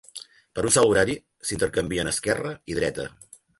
Per a un salt horari, s'intercanvien esquerra i dreta.